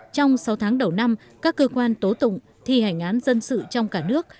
trong sáu tháng đầu năm các cơ quan tố tụng thi hành án dân sự trong cả nước